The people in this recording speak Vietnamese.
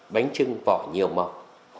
bánh trưng vỏ nhiều mọc